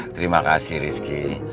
terima kasih rizky